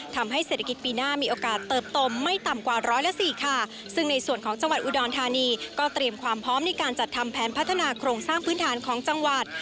ทำให้เศรษฐกิจปีหน้ามีโอกาสเติบโตไม่ต่ำกว่าร้อยละสี่ค่ะซึ่งในส่วนของจังหวัดอุดรธานีก็เตรียมความพร้อมในการจัดทำแผนพัฒนาโครงสร้างพื้นฐานของจังหวัด